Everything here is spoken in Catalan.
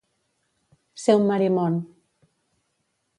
Ser un Marimon.